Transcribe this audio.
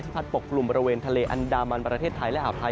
พัดปกกลุ่มบริเวณทะเลอันดามันประเทศไทยและอ่าวไทย